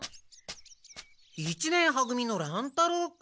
一年は組の乱太郎君。